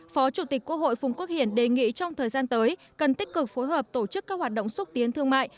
phó chủ tịch quốc hội phùng quốc hiển đề nghị trong thời gian tới cần tích cực phối hợp tổ chức các hoạt động xúc tiến thương mại